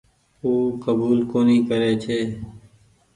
او ڪبول ڪونيٚ ڪري ڇي۔